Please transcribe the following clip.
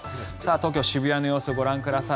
東京・渋谷の様子ご覧ください。